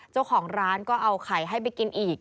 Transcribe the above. เจ้าของร้านก็เอาไข่ให้ไปกินอีก